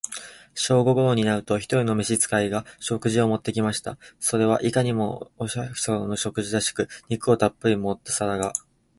正午頃になると、一人の召使が、食事を持って来ました。それはいかにも、お百姓の食事らしく、肉をたっぶり盛った皿が、